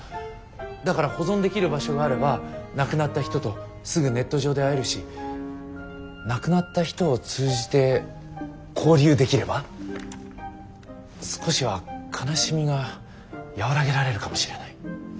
だから保存できる場所があれば亡くなった人とすぐネット上で会えるし亡くなった人を通じて交流できれば少しは悲しみが和らげられるかもしれない。